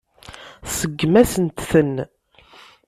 Tseggem-asent-ten.